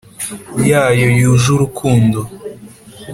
Yayo yuje urukundo